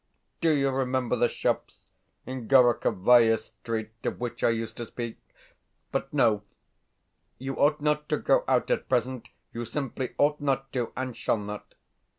Do you remember the shops in Gorokhovaia Street of which I used to speak?... But no. You ought not to go out at present you simply ought not to, and shall not.